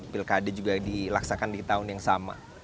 pilkade juga dilaksakan di tahun yang sama